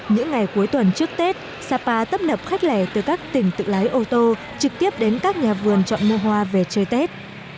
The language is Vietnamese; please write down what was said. những ngày cuối tuần trước tết sapa tấp nập khách lẻ từ các tỉnh tự lái ô tô trực tiếp đến các nhà vườn chọn mua hoa về chơi tết